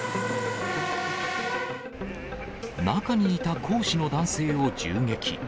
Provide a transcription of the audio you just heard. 中にいた講師の男性を銃撃。